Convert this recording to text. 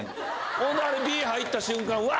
ほんであれＢ入った瞬間うわー！